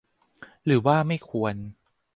หรือว่าไม่ควร